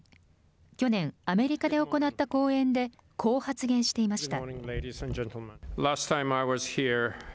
去年、アメリカで行った講演で、こう発言していました。